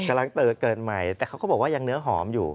กำลังเกิดใหม่แต่เขาก็บอกว่ายังเนื้อหอมอยู่